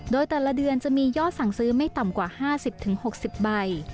โดยแต่ละเดือนจะมียอดสั่งซื้อไม่ต่ำกว่า๕๐๖๐ใบ